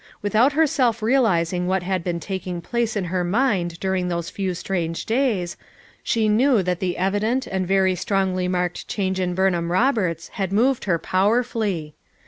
Without herself realizing what had been taking place in her mind during those few strange days, she knew that the evident and very strongly marked change in Burnham Roberts had moved her powerfully.